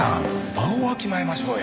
場をわきまえましょうよ。